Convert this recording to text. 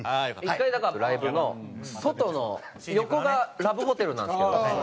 １回だからライブの外の横がラブホテルなんですけど。